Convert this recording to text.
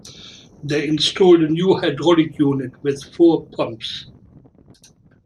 They installed a new hydraulic unit with four pumps.